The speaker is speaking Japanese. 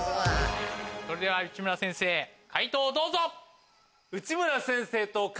それでは内村先生解答どうぞ！